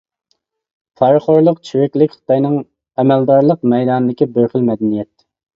پارىخورلۇق، چىرىكلىك خىتاينىڭ ئەمەلدارلىق مەيدانىدىكى بىر خىل«مەدەنىيەت».